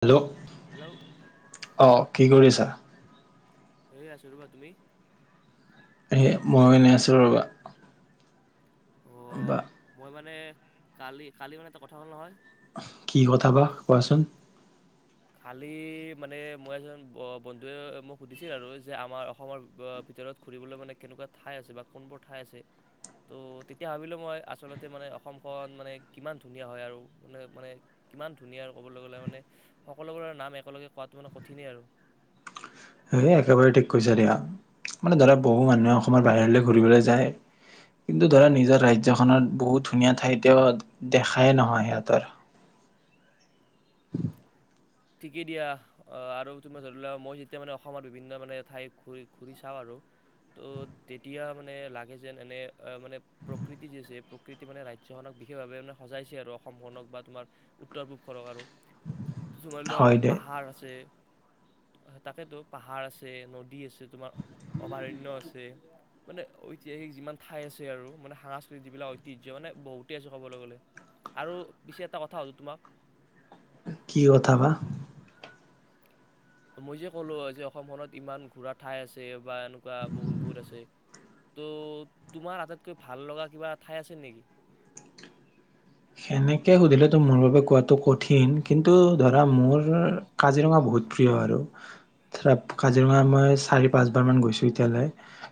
Hello hello অঁ কি কৰিছা এ আছো ৰ'বা তুমি এই মই এনে আছো ৰবা অ' বা মই মানে কালি কালি মানে এটা কথা হ'ল নহয় কি কথা বা কোৱাচোন কালি মানে এজন বন্ধুৱে মোক সুধিছিল আৰু যে আমাৰ অসমৰ ভিতৰত ঘুৰিবলৈ মানে কেনেকুৱা ঠাই আছে বা কোনবোৰ ঠাই আছে ত' তেতিয়া ভাবিলো মই আচলতে মানে অসমখন মানে কিমান ধুনীয়া হয় আৰু মানে মানে কিমান ধুনীয়া ক'বলৈ গ'লে মানে সকলোবোৰৰে নাম একেলগে কোৱাটো মানে কঠিনেই আৰু স একেবাৰে ঠিক কৈছে দিয়া মানে ধৰা বহু মানুহে অসমৰ বাহিৰলৈ ঘূৰিবলৈ যায় কিন্তু ধৰা নিজৰ ৰাজ্যখনত বহুত ধুনীয়া ঠাইত দেখাই নহয় সিহঁতৰ ় ঠিকেই দিয়া আৰু তুমি ধৰিোৱা মই যেতিয়া মানে অসমৰ বিভিন্ন মানে ঠাইত ঘূৰি চাওঁ আৰু ত' তেতিয়া মানে লাগে যেন এনে মানে প্ৰকৃতি যি আছে প্ৰকৃতি মানে ৰাজ্যখনক বিশেষভাৱে মানে সজাইছে আৰু অসমখনক বা তোমাৰ উত্তৰ পূবখনক আৰু ় [unintelligible] োম অপ পাহাৰ আছে তাকেতো পাহাৰ আছে নদী আছে তোমাৰ অভয়াৰণয় আছে মানে ঐতিহাসিক যিমান ঠাই আছে আৰু মানে সাংস্কৃতিক যিবিলাক ঐতিহ্য মানে বহুতে আছে ক'বলৈ গলে আৰু পিছে এটা কথা হ'লো তোমাক কি কথা বা মই যে ক'লো যে অসমখনত ইমান ঘোৰা ঠাই আছে বা এনেকুৱা বহুত বহুত আছে ত' তোমাৰ আটাইতকৈ ভাল লগা কিবা ঠাই আছে নেকি সেনেকে সুধিলেতো মোৰ বাবে কোৱাটো কঠিন কিন্তু ধৰা মোৰ কাজিৰঙা বহুত প্ৰিয় আৰু ধৰা কাজিৰঙা মই চাৰি পাঁচবাৰ মান গৈছো এতিয়ালৈ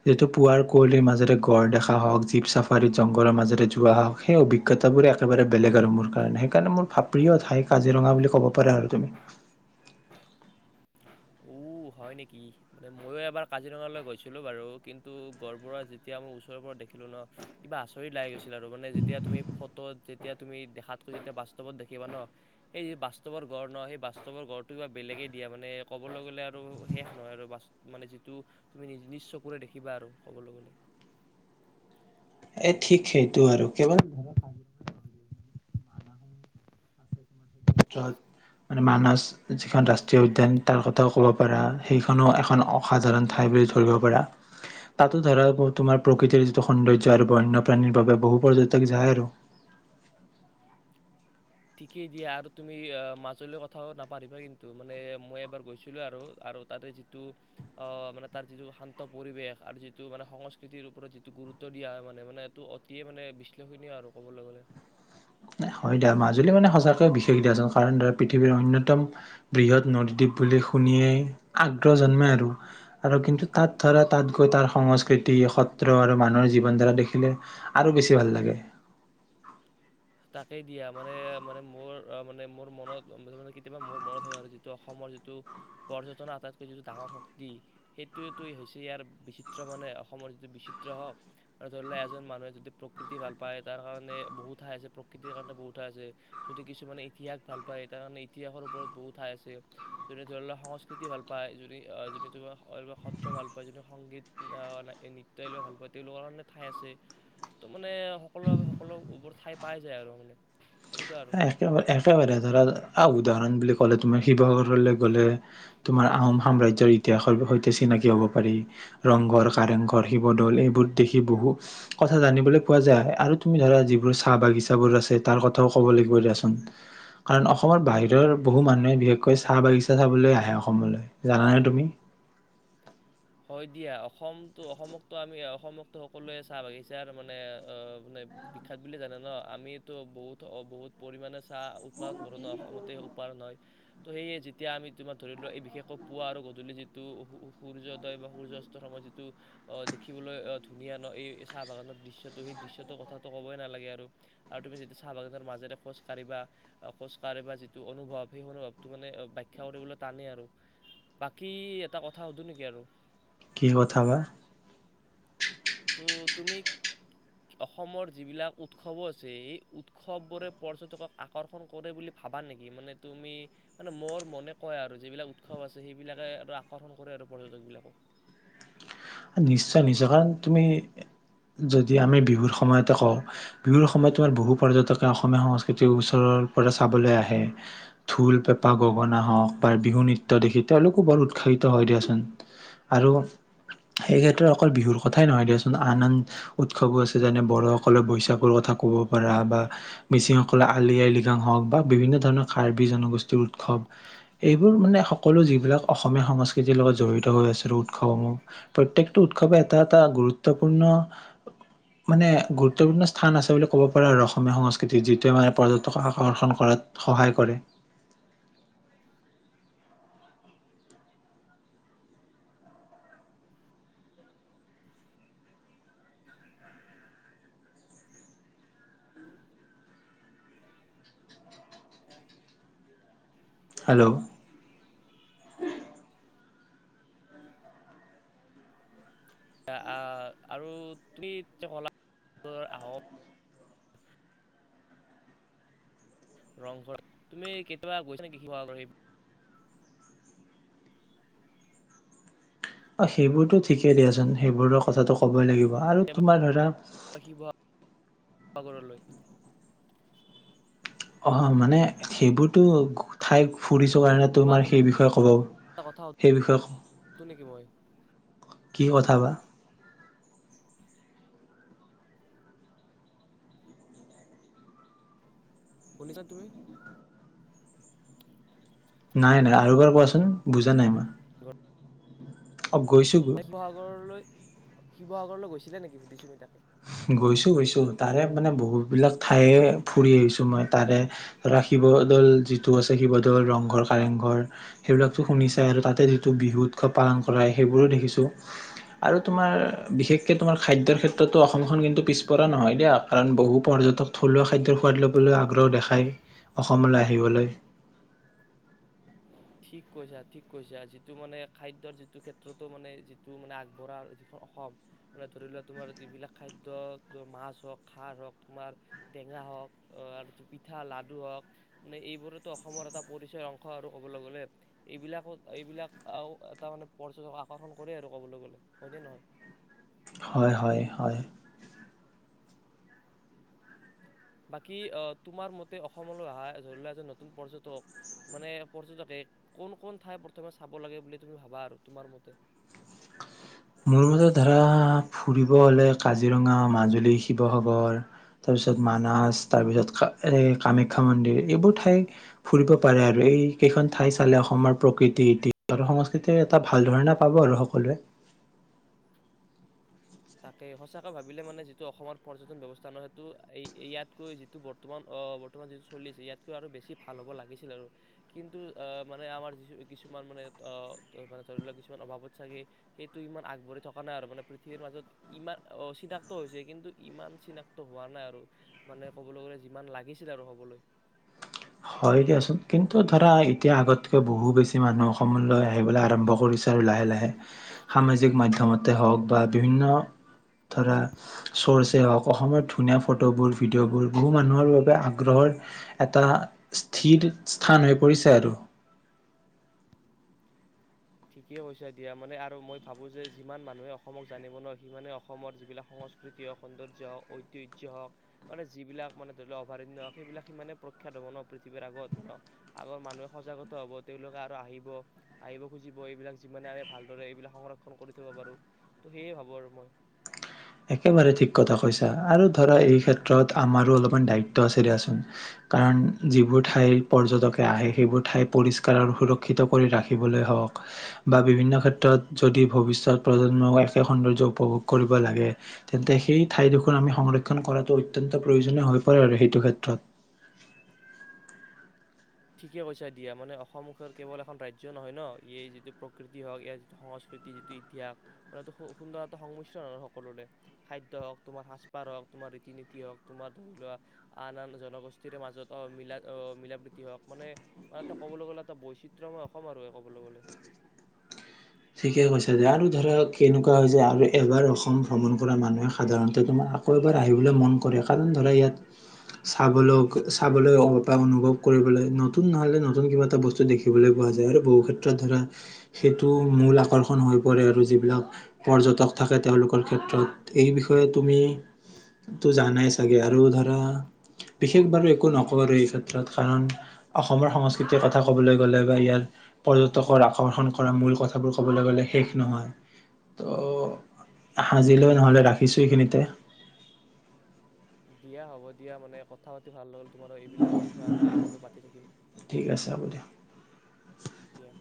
যিতু পুৱাৰ কুঁৱলীৰ মাজে গড় দেখা হওঁক জীপ চাফাৰী জংঘলৰ মাজেৰে যোৱা হওঁক সেই অভিজ্ঞতাবোৰে একেব বেলেগ আৰু মোৰ কাৰণে সেইকাৰণে মোৰ প্ৰিয় ঠাই কাজিৰঙা বুলি ক'ব পাৰা আৰু তুমি ও হয় নেকি মানে ময়ো এবাৰ কাজিৰঙালৈ গৈছিলোঁ বাৰু কিন্তু গড় বোৰযেতিয়া মোৰ ওচৰৰ পৰা দেখিলোঁ ন কিবা আচৰি লাগি গৈছিল আৰু মানে যেতিয়া তুমি ফটোত যেতিয়া তুমি দেখাতকৈ যেতিয়া বাস্তৱত দেখিবা ন সেই যি বাস্তৱৰ গড় ন সেই বাস্তৱৰ গড়টো কিবা বেলেগেই দিয়া মানে ক'বলৈ গ'লে আৰু শেষ নহয় আৰু মানে যিটো তুমি নি নিজ চকুৰে দেখিবা আৰু কবলৈ গলে এ ঠিক সেইটো আৰু কেই ধক আহ ্ৰত মানে মানছ যিখন ৰাষ্ট্ৰীয় উদ্যান তাৰ কথাও ক'ব পাৰা সেইখনো এখন অসাধাৰণ ঠাই বুলি ধৰিব পাৰা তাতো ধৰা তোমাৰ প্ৰকৃতিৰ যিটো সৌন্দৰ্য আৰু বন্যপ্ৰাণীৰ বাবে বহু পৰ্যটক যায় আৰু ঠিকেই দিয়া আৰু তুমি মাজুলী কথাও নাপাৰিবা কিন্তু মানে মই এবাৰ গৈছিলো আৰু আৰু তাতে যিটো মানে তাৰ যিটো শান্ত পৰিৱেশ আৰু যিটো মানে সংস্কৃতিৰ ওপৰত যিটো গুৰুত্ব দিয়া হয় মানে মানে এইটো অতিয়ে মানে বিশ্লেষণীয় আৰু কবলৈ গলে হয় দিয়া মাজুলী মানে সচাকৈ বিশেষ দিয়াচোন কাৰণ ধৰা পৃথিৱীৰ অন্যতম বৃহৎ নদীদ্বীপ বুলি শুনিয়েই আগ্ৰহ জন্মে আৰু আৰু কিন্তু তাত ধৰা তাত গৈ তাৰ সংস্কৃতি সত্ৰ আৰু মানুহৰ জীৱন ধাৰা দেখিলে আৰু বেছি ভাল লাগে তাকেই দিয়া মানে মানে মোৰ মানে মোৰ মনতে কেতিয়াবা মোৰ মনত হয় আৰু যিটো অসমৰ যিটো পৰ্যটনৰ আটাইতকৈ যিটো ডাঙৰ শক্তি সেইটো হৈছে ইয়াৰ বিচিত্ৰ মানে অসমৰ যিটো বিচিত্ৰ হওক মানে ধৰি লওক এজন মানুহে যদি প্ৰকৃতি ভাল পায় তাৰ কাৰণে বহুত ঠাই আছে প্ৰকৃতিৰ কাৰণে বহুত ঠাই আছে যদি কিছুমানে ইতিহাস ভাল পায় তাৰ কাৰণে ইতিহাসৰ ওপৰত বহুত ঠাই আছে যোনে ধৰি লক সংস্কৃতি ভাল পায় যো যোনে সত্ৰ ভাল পায় যোনে সংগীত নৃত্য এলাক ভাল পায় তেওঁলোকৰ কাৰণে ঠাই আছে মানে সকলোৰে বাবে সকলোবোৰ ঠাই পাই যায় আৰু মান একেবাৰে একেবাৰে ধৰা আহ উদাহৰণ বুলি ক'লে তুমি শিৱসাগৰলৈ গ'লে তোমাৰ আহোম সাম্ৰাজ্য়ৰ ইতিহাসৰ সৈতে চিনাকি হ'ব পাৰি ৰংঘৰ কাৰেংঘৰ শিৱদৌল এইবোৰ দেখি বহু কথা জানিবলৈ পোৱা যায় আৰু তুমি ধৰা যিবোৰ চাহ বাগিচা বোৰ আছে তাৰ কথাও ক'ব লাগিব দিয়াচোন কাৰণ অসমৰ বাহিৰৰ বহু মানুহে বিশেষকৈ চাহ বাগিচা চাবলৈ আহে অসমলৈ জান নাই তুমি হয় দিয়া অসমো অসমকো আমি অসমো সকলোৱে চাহ বাগিচাৰ মানে মানে বিখ্যাত বুলি জানে ন আমো বহুত বহুত পৰিমমানে চাহ উৎপাদন কৰো ন অসমতে উৎপাদন হয় ত সেয়ে যেতিয়া আমি তোমাৰ ধৰিলোৱা এই বিশেষকৈ পুৱা আৰু গধূলি যিটো বা সূৰ্যয়াস্তৰ সময়ত যিটো অ দেখিবলৈ ধুনীয়া ন এই চাহ বাগানৰ দৃশ্য়টো সেই দৃশ্যটোকথাটো ক'বই নালাগে আৰু আৰু তুমি যতিয়া চাহ বাগানৰ মাজেৰে খোজ কঢ়িবা খোজ কঢ়িবা যিটো অনুভৱ সেই অনুভৱটো মানে ব্যখ্যা কৰিবলৈ টানেই আৰু বাকী এটা কথা সুধো নেকি আৰু কি কথা বা তো তুমি অসমৰ যিবিলাক উৎসৱো আছে স উৎসৱবোৰে পৰ্যটকক আকৰ্ষণ কৰে বুলি ভাবা নেকি মানে তুমি মানে মোৰ মনে কয় আৰু যিবিলাক উৎসৱ আছে সেইবিলাকে আৰু আকৰ্ষণ কৰে আৰু পৰ্যটক বিলাকক নিশ্চয় নিশ্চয় কাৰণ তুমি যদি আমি বিহুৰ সময়তে কওঁ বিহুৰ সময়ত তোমাৰ বহু পৰ্যটকে অসমীয়া সংস্কৃতিৰ ওচৰৰ পৰা চাবলৈ আহে ঢোল পেঁপা গগনা হওক বা বিহু নৃত্য দেখি তেওঁলোকো বৰ উৎসাহিত হয় দিয়াচোন আৰু সেই ক্ষেত্ৰত অকল বিহুৰ কথাই নহয় দিয়চোন আন আন উৎসৱো আছে যেনে ব়োসকৰ বৈশাখুৰ কথা ক'ব পাৰা বা মিচিংসকলে আলি আই লৃগাং হওক বা বিভিন্ন ধৰণৰ কাৰ্বি জনগোষ্ঠীৰ উৎসৱ এইবোৰ মানে সকলো যিবিলাক অসমীয়া সংস্কৃতিৰ লগত জড়িত হৈ আছে উৎসৱসমূহ প্ৰত্যেকটো উৎসৱে এটা এটা গুৰুত্বপূৰ্ণ মানে গুৰুত্বপূৰ্ণ স্থান আছে বুলি ক'ব পাৰে আৰু অসমীয়া সংস্কৃতি যিটোৱে মানে পৰ্যটক আকৰ্ষণ কৰাত সহায় কৰে হেল্ল' এ আহ আৰু তুমি কলা আহ ৰংঘৰ তুমি কেতিয়াবা গৈছা নেকি শিৱসাগৰ সেই অ সেইবোৰতো ঠিকেই দিয়াচোন সেইবোৰৰ কথাটো ক'বই লাগিব আৰু তোমাৰ ধৰা শসাগৰলৈ অ মানে সেইবোৰতো ঠাই ফুৰিছো স কাৰণে তোমাক তোমাৰ এটা সেই বিষয়ে ক'ব এটা কথা সেই বিষয়ে সুধো নেকি মই কি কথা বা শুনিছা তুমি নাই নাই আৰু এবাৰ কোৱাচোন বুজা নাই মই অ গৈছো শিৱসাগৰলৈ শিৱাগৰলৈ গৈছিলে নেকি সুধিছো মই তাকে গৈছো গৈছো তাৰে মানে বহুত বিলাক ঠায় ফুৰি আহিছো মই তাৰে ধৰা শিৱদৌল যিটো আছে শিৱদৌল ৰংঘৰ কাৰেংঘৰ সেইবিলাকো শুনি চাই আৰু তাতে যিটো বিহু উৎসৱ পালন কৰা সেইবোৰো দেখিছো আৰু তোমাৰ বিশেষকে তোমাৰ খাদ্যৰ ক্ষেত্ৰত ত অসমখন কিন্তু পিছপৰা নহয় দিয়া কাৰণ বহু পৰ্যটক থলুৱা খাদ্য সোৱাদ লবলৈ আগ্ৰহ দেখায় অসমলৈ আহিবলৈ ঠিক কৈছা ঠিক কৈছা যিটো মানে খাদ্যৰ যিটো ক্ষেত্ৰতো মানে যিটো মানে আগবঢ়া যিখন অসম মানে ধৰি লোৱা তোমাৰ যিবিলাক খাদ্য মাছ হওঁক খাৰ হওঁক তোমাৰ টেঙা হওক আৰু পিঠা লাডু হওঁক মানে এইবোৰতো অসমৰ এটা পৰিচয় অংশ আৰু ক'বলৈ গ'লে এইবিলাক এইবিলাক এটা মানে পৰ্যটক আকৰ্ষণ কৰে আৰু ক'বলৈ গলে হয়নে নহয় হয় হয় হয় বাকী তোমাৰ মতে অসমলৈ অহা ধৰি লোৱা এজন নতুন পৰ্যটক মানে পৰ্যটকে কোন ক ঠাই প্ৰথমে চাব লাগে বুলি তুমি ভাবা আৰু তোমাৰ মতে মোৰ মতে ধৰা ফুৰিব হলে কাজিৰঙা, মাজুলী, শিৱসাগৰ তাৰপিছত মানাজ, তাৰপিছত কামাখ্যা মন্দিৰ এইবোৰ ঠাই ফুৰিব পাৰে আৰু এই কেইখন ঠাই চালে অসমৰ প্ৰকৃতি ইতিাস আৰু সংস্কৃতিৰ এটা ভাল ধৰণা পাব আৰু সকলোৱে। তাকে সঁচাকৈ ভাবিলে মানে যিটো অসমৰ পৰ্যটন ব্যৱস্থা ন সেইটো ইয়াতকৈ যিটো বৰ্তমান আহ বৰ্তমান যিটো চলি আছে ইয়াতকৈ আৰু বেছি ভাল হ'ব লাগিছিল আৰু কিন্তু আহ মানে আমাৰ যি কিছুমান মানে আহ মানে ধৰি লওক কিছুমান অভাৱত চাগে সেইটো ইমান আগবাঢ়ি থকা নাই আৰু মানে পৃথিৱীৰ মাজত ইমান অ চিনাক্ত হৈছে কিন্তু ইমান চিনাক্ত হোৱা নাই আৰু মানে কবলৈ গ'লে যিমান লাগিছিল আৰু হবলৈ হয় দিয়াচোন কিন্তু ধৰা এতিয়া আগতকৈ বহু বেছি মানুহ অসমলৈ আহিবলৈ আৰম্ভ কৰিছে আৰু লাহে লাহে সামাজিক মাধ্য়মতে হওক বা বিভিন্ন ধৰা চৰ্ছে হওক অসমৰ ধুনীয়া ফটোবোৰ ভিডিঅ'বোৰ বহু মানুহৰ বাবে আগ্ৰহৰ এটা স্থিৰ স্থান হৈ পৰিছে আৰু ঠিকেই কৈছে দিয়া মানে আৰু মই ভাবো যে যিমান মানুহে অসমক জানিব নোৱাৰ সিমানে অসম যিবিলাক সংস্কৃতি হওক সৌন্দৰ্য হওক ঐতিহ্য হওক মানে যিবিলাক মানে ধৰি লক অভয়াৰণয় হওক সেইবিলাক সিমানে প্ৰখ্যাতহ'ব ন পৃথিৱীৰ আগত আগৰ মানুহে সজাগত হ'ব তেওঁওলোকে আৰু আহিব আহিব খুজিব এইবিলাক যিমানে আমি ভালদৰে এইবিলাক সংৰক্ষণ কৰি থব পাৰো ত' সেয়ে ভাবো আৰু মই একেবাৰে ঠিক কথা কৈছা আৰু ধৰা এই ক্ষেত্ৰত আমাৰো অলপমান দায়িত্ব আছে দিয়াচোন কাৰণ যিবোৰ ঠাইৰ পৰ্যটকে আহে সেইবোৰ ঠাই পৰিষ্কাৰ আৰু সুৰক্ষিত কৰি ৰাখিবলৈ হওক বা বিভিন্ন ক্ষেত্ৰত যদি ভৱিষ্যত প্ৰজন্মক একে সৌন্দৰ্য উপভোগ কৰিব লাগে তেন্তে সেই ঠাইডোখৰ আমি সংৰক্ষণ কৰাটো অত্যন্ত প্ৰয়োজনীয় হৈ পৰে আৰু সেইটো ক্ষেত্ৰত ঠিকে কৈছা দিয়া মানে অসমখৰ কেৱল এখন ৰাজ্য নহয় ন এই যিটো প্ৰকৃতি হওক ইয়াৰ যিটো সংস্কৃতি যিটো ইতিহাস মান এইটো সুন্দৰ এটা সংমিশ্ৰণ সকলোৰে খাদ্য হওঁক তোমাৰ সাজপাৰ হওঁক তোমাৰ ৰীতি নীতি হওক তোমাৰ ধৰি লোৱা আন আন জনগোষ্ঠীৰৰে মাজত মিলা অ মিলা প্ৰীতি হওক মানে মই এটা কবলৈ গলে এটা বৈচিত্ৰয় ময় অসম আৰু ক'বলৈ গলে ঠিকে কৈছো যে আৰু ধৰা কেনেকুৱা হৈছে আৰু এবাৰ অসম ভ্ৰমণ কৰা মানুহে সাধাৰণতে তোমাৰ আকৌ এবাৰ আহিবলৈ মন কৰে কাৰণ ধৰা ইয়াত চাবলৈ চাবলৈ অনুভৱ কৰিবলৈ নতুন নহলে নতুন কিবা এটা বস্তু দেখিবলৈ পোৱা যায় আৰু বহু ক্ষেত্ৰত ধৰা সেইটো আকৰ্ষণ হৈ প আৰু যিবিলাক পৰ্যটক থাকে তেওঁলোকৰ ক্ষেত্ৰত এই বিষয়ে তুমি তটো জানাই চাগে আৰু ধৰা বিশেষ বাৰু একো নকও আৰু এই ক্ষেত্ৰত কাৰণ অসমৰ সংস্কৃতিৰ কথা কবলৈ গলে বা ইয়াৰ পৰ্যটকৰ আকৰ্ষণ কৰা মূল কথা কথা বোৰ ক'বলৈ গলে শেষ নহয় ত আজিলে নহলে ৰাখিছো এইখিনিতে দিয়া হ'ব দিয়া মানে কথা পাতি ভাল হ'ল তোমাৰোক এইবিলাক বিষয়ে আমি আগলৈ পাতি থাকিম ঠিক আছে হ'ব দিয়া এতিয়া